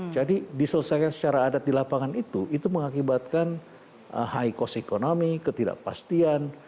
jadi diselesaikan secara adat di lapangan itu itu mengakibatkan high cost economy ketidakpastian